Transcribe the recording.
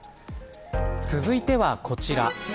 続いてはこちら。